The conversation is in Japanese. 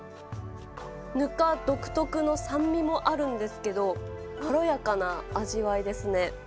ぬか独特の酸味もあるんですけど、まろやかな味わいですね。